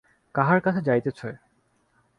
কাহার কাছে যাইতেছে?